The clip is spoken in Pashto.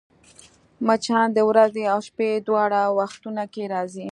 مچان د ورځي او شپې دواړو وختونو کې راځي